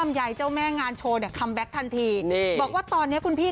มีไว้เผื่อข้างหน้าอีกปี๒ปีหรือ๕ปี๑๐ปี